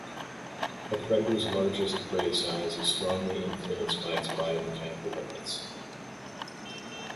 A predator's largest prey size is strongly influenced by its biomechanical limits.